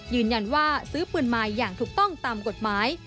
ยืนยันว่าซื้อปืนมาอย่างถูกต้องตามกฎหมาย